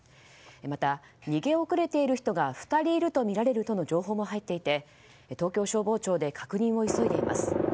また、逃げ遅れている人が２人いるとみられるとの情報も入っていて東京消防庁で確認を急いでいます。